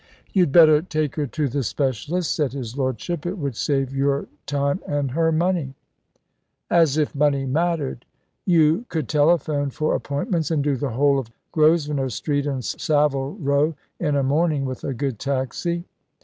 "You'd better take her to the specialists," said his lordship. "It would save your time and her money." "As if money mattered!" "You could telephone for appointments, and do the whole of Grosvenor Street and Savile Row in a morning, with a good taxi."